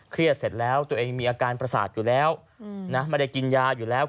เสร็จแล้วตัวเองมีอาการประสาทอยู่แล้วนะไม่ได้กินยาอยู่แล้ว